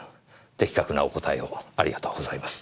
的確なお答えをありがとうございます。